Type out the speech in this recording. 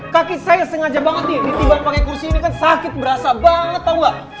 kaki saya sengaja banget nih ditibang pakai kursi ini kan sakit berasa banget tau gak